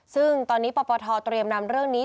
ซึ่งตอนนี้ปปทเตรียมนำเรื่องนี้